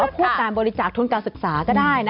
ไม่ว่าภูมิการบริจาคทุนการศึกษาก็ได้นะ